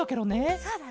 そうだね。